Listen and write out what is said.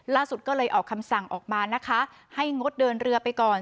ล่าสุดก็เลยออกคำสั่งออกมานะคะให้งดเดินเรือไปก่อน